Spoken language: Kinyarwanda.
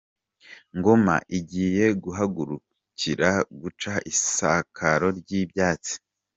Ngoma igiye guhagurukira guca isakaro ry’ibyatsi